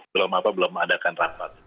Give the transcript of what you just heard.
belum apa belum adakan rapat